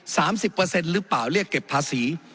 สามสิบเปอร์เซ็นต์หรือเปล่าเรียกเก็บภาษี